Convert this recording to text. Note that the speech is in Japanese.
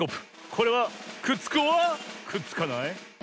これはくっつくｏｒくっつかない？